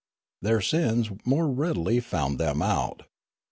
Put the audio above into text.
Their sins more readily found them out.